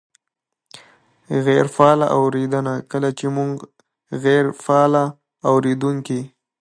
-غیرې فعاله اورېدنه : کله چې مونږ غیرې فعال اورېدونکي